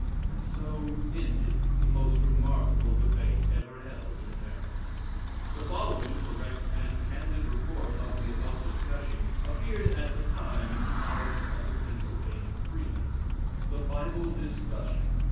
_' And so ended the most remarkable debate ever held in America." The following correct and candid report of the above discussion, appeared at the time in the columns of the Pennsylvania Freeman: The Bible Discussion.